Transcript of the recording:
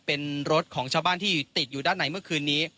เป็นรถของชาวบ้านที่ติดอยู่ด้านในเมื่อคืนนี้